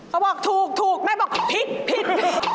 เขาบอกถูกแม่บอกพลิก